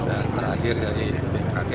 dan terakhir dari bkk